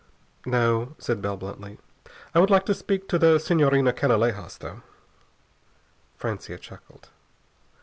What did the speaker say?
"No," said Bell bluntly. "I would like to speak to the Senhorina Canalejas, though." Francia chuckled.